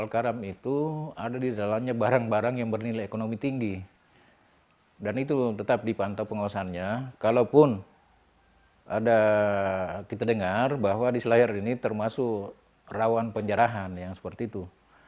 kita dengar bahwa di selayar ini termasuk rawan penjarahan yang seperti itu